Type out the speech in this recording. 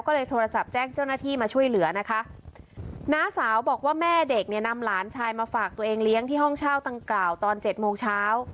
ก็เลยโทรศัพท์แจ้งเจ้าหน้าที่มาช่วยเหลือนะคะน้าสาวบอกว่าแม่เด็กเนี่ยนำหลานชายมาฝากตัวเองเลี้ยงที่ห้องเช่าตังกล่าวตอนเจ็ดโมงเช้า